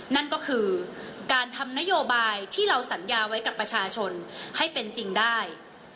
นั่นก็คือการทำนโยบายที่เราสัญญาไว้กับประชาชนให้เป็นจริงได้